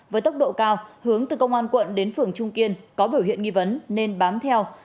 với tốc độ cao hướng từ công an quận đến phường trung kiên có biểu hiện nghi vấn nên bám theo